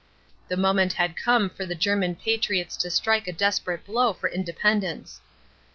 The moment had come for the German patriots to strike a desperate blow for independence.